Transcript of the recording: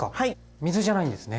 水じゃないんですね？